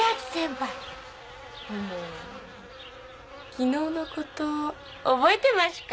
昨日のこと覚えてましゅか？